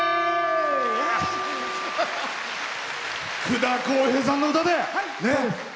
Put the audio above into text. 福田こうへいさんの歌で。